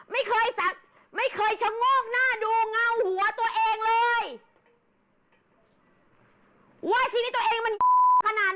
ไม่เคยสักไม่เคยชะโงกหน้าดูเงาหัวตัวเองเลย